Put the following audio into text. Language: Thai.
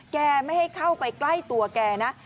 แกไม่ให้เข้าไปใกล้ตัวแกนะ